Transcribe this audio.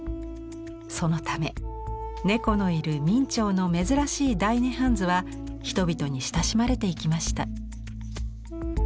そのため猫のいる明兆の珍しい「大涅槃図」は人々に親しまれていきました。